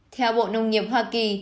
theo bộ nông nghiệp hoa kỳ